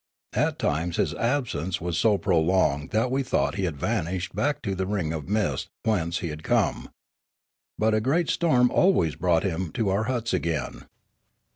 At times his absence was so prolonged that we thought he had vanished back to the ring of mist, whence he had come. But a great storm always brought him to our huts again.